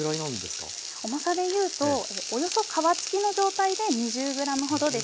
重さで言うとおよそ皮付きの状態で２０ｇほどです。